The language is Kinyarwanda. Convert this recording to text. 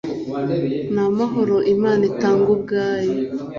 ni amahoro Imana itanga ubwayo